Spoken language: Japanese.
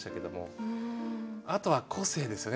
あとは個性ですよね。